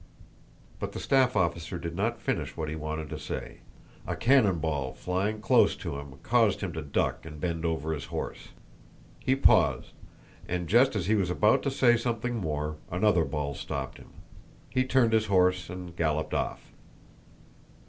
But the staff officer did not finish what he wanted to say. A cannon ball, flying close to him, caused him to duck and bend over his horse. He paused, and just as he was about to say something more, another ball stopped him. He turned his horse and galloped off.